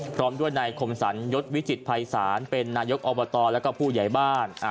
พร้อมด้วยนายคมสรรยศวิจิตภัยศาลเป็นนายกอบตแล้วก็ผู้ใหญ่บ้าน